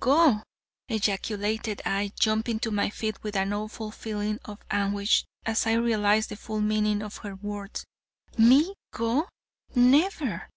"Go!" ejaculated I, jumping to my feet with an awful feeling of anguish as I realized the full meaning of her words. "Me, go? Never!